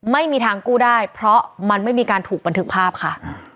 ไม่มีทางกู้ได้เพราะมันไม่มีการถูกบันทึกภาพค่ะ